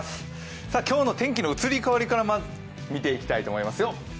今日の天気の移り変わりから見ていきたいと思いますよ。